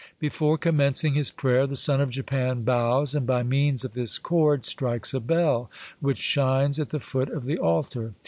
Before commencing his prayer, the son of Japan bows, and by means of this cord strikes a bell which shines at the foot of the altar.